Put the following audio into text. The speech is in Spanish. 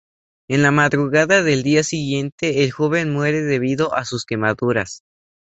En la madrugada del día siguiente el joven muere debido a sus quemaduras.